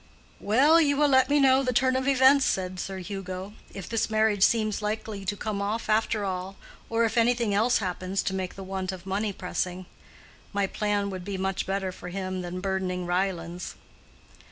"Well, you will let me know the turn of events," said Sir Hugo, "if this marriage seems likely to come off after all, or if anything else happens to make the want of money pressing. My plan would be much better for him than burdening Ryelands."